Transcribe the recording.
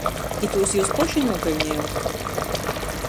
Itūs jius poši nūpeļnejot.